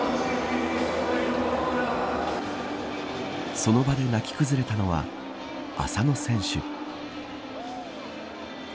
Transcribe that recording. その場で泣き崩れたのは浅野選手。